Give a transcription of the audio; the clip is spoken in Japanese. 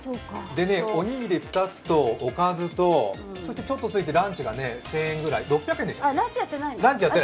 おにぎり２つとおかずとちょっとついたランチが１０００円ぐらい、６００円でしたっけ？